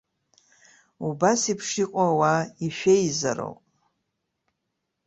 Убас еиԥш иҟоу ауаа ишәеизароуп.